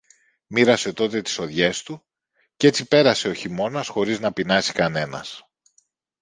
Μοίρασε τότε τις σοδειές του, κι έτσι πέρασε ο χειμώνας χωρίς να πεινάσει κανένας.